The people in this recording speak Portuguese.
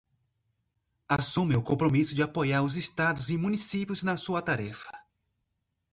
assume o compromisso de apoiar os estados e municípios na sua tarefa